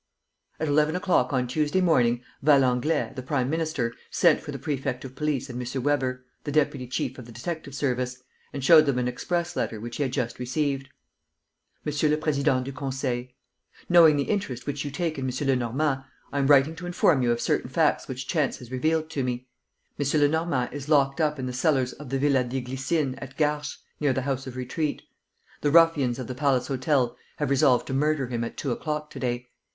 At eleven o'clock on Tuesday morning Valenglay, the prime minister, sent for the prefect of police and M. Weber, the deputy chief of the detective service, and showed them an express letter which he had just received: "MONSIEUR LE PRÉSIDENT DU CONSEIL, "Knowing the interest which you take in M. Lenormand, I am writing to inform you of certain facts which chance has revealed to me. "M. Lenormand is locked up in the cellars of the Villa des Glycines at Garches, near the House of Retreat. "The ruffians of the Palace Hotel have resolved to murder him at two o'clock to day.